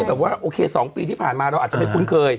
แต่ว่าโอเค๒ปีที่ผ่านมาเราอาจจะไม่คุ้นเคย